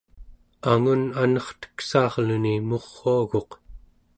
angun anerteksaarluni muruaguq